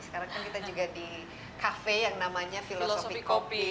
sekarang kan kita juga di kafe yang namanya filosofi kopi